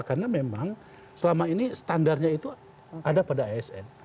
karena memang selama ini standarnya itu ada pendapatan